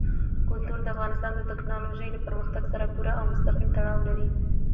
کلتور د افغانستان د تکنالوژۍ له پرمختګ سره پوره او مستقیم تړاو لري.